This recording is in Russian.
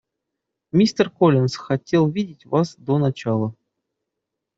Мистер Коллинс хотел видеть вас до начала.